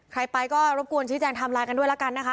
ใครไปก็รบกวนชี้แจงไทม์ไลน์กันด้วยแล้วกันนะคะ